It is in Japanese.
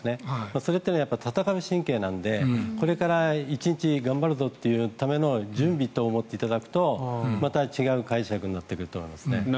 それは戦う神経なのでこれから１日頑張るぞというための準備と思っていただくとまた違う解釈になると思います。